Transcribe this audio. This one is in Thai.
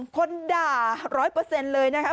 คนด่าร้อยเปอร์เซ็นต์เลยนะครับ